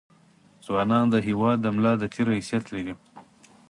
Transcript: ځونان دهیواد دملا دتیر حیثت لري